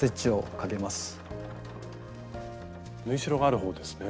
縫いしろがある方ですね。